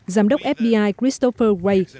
giám đốc fbi christopher wray